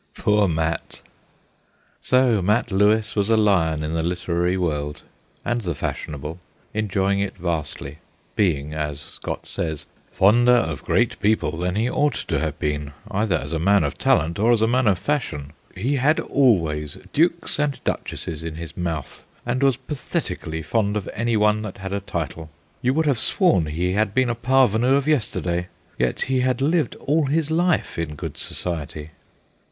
Poor Mat ! So Mat Lewis was a lion in the literary world and the fashionable, enjoying it vastly, being, as Scott tells us, 'fonder of great people than he ought to have been, either as a man of talent, or as a man of fashion. He had always dukes and duchesses in his mouth, and was pathetically fond of any one that had a title. You would have sworn he had been a parvenu of yesterday, yet he had lived all his life in good society.'